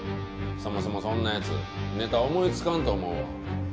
そもそもそんな奴ネタ思いつかんと思う。